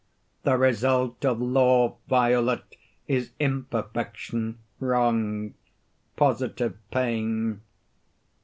The result of law violate is imperfection, wrong, positive pain.